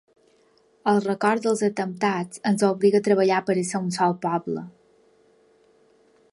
El record dels atemptats ens obliga a treballar per a ser un sol poble.